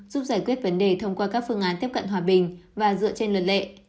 giúp giải quyết vấn đề thông qua các phương án tiếp cận hòa bình và dựa trên luật lệ